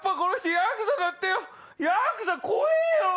ヤクザ怖えぇよ！